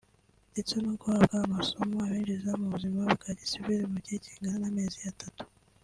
ndetse no guhabwa amasomo abinjiza mu buzima bwa gisivili mu gihe kingana n’amezi atatu